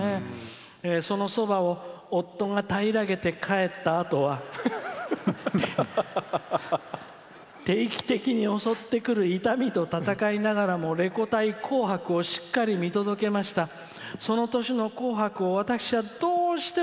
「そのそばを夫が平らげて帰ったあとは定期的に襲ってくる痛みを闘いながら「レコ大」、「紅白」をしっかり見届けました。